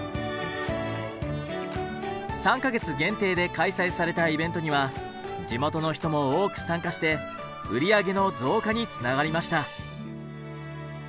３か月限定で開催されたイベントには地元の人も多く参加して売り上げの増加につながりました。